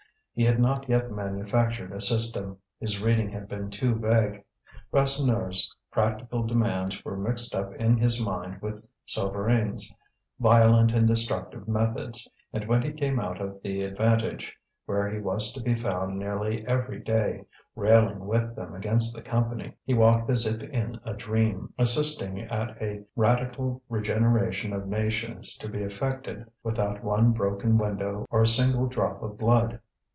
He had not yet manufactured a system, his reading had been too vague. Rasseneur's practical demands were mixed up in his mind with Souvarine's violent and destructive methods, and when he came out of the Avantage, where he was to be found nearly every day railing with them against the Company, he walked as if in a dream, assisting at a radical regeneration of nations to be effected without one broken window or a single drop of blood.